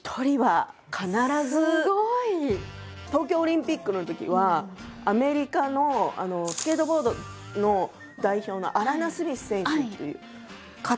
すごい！東京オリンピックのときはアメリカのスケートボードの代表のアラナ・スミス選手っていう方がそっくりで。